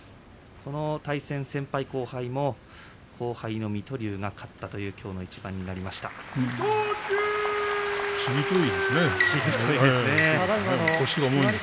この対戦先輩後輩の後輩の水戸龍が勝ったという、きょうの一番です。